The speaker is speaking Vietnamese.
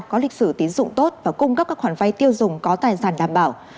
có lịch sử tín dụng tốt và cung cấp các khoản vay tiêu dùng có tài sản đảm bảo